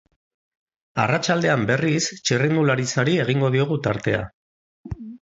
Arratsaldean, berriz, txirrindularitzari egingo diogu tartea.